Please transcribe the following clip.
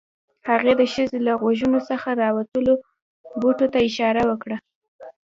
هغې د ښځې له غوږونو څخه راوتلو بوټو ته اشاره وکړه